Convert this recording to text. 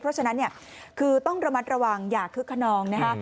เพราะฉะนั้นเนี่ยคือต้องระมัดระวังอย่าคึกขนองนะคะ